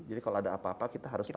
jadi kalau ada apa apa kita harus tahan